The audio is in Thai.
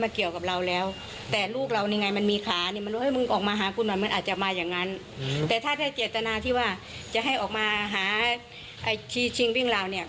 แต่ถ้าได้เจตนาที่ว่าจะให้ออกมาหาชีซับวิ่งราว